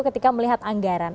ketika melihat anggaran